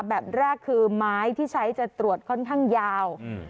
แบบแรกคือไม้ที่ใช้จะตรวจค่อนข้างยาว